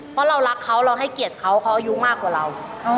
เพราะเรารักเขาเราให้เกียรติเขาเขาอายุมากกว่าเรา